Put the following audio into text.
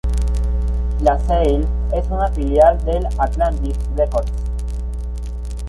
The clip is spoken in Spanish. LaSalle es una filial de Atlantic Records.